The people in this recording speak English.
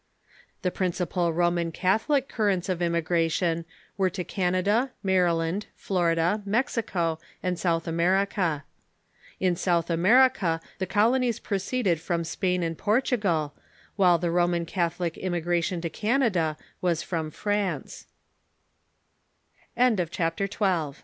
The principal Roman Catholic currents of immigration Avere to Canada, Maryland, Florida, Mexico, and South America. In South America the colonies proceeded from Spain and Portu gal, while the Roman Catholic immigration to C